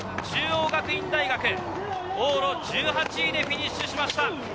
中央学院大学、往路１８位でフィニッシュしました。